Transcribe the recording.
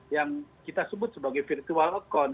yang kita sebut sebagai virtual account